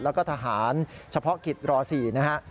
แล้วก็ทหารเฉพาะกิจร๔นะฮะ